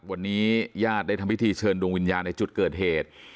วันนี้ญาติได้ทำพิธีเชิญดวงวิญญาณในจุดเกิดเหตุ